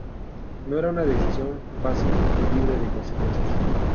No era una decisión fácil ni libre de consecuencias.